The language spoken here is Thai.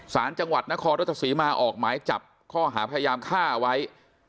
สารจังหวัดนครรัชศรีมาออกหมายจับข้อหาพยายามฆ่าไว้